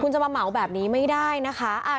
คุณจะมาเหมาแบบนี้ไม่ได้นะคะ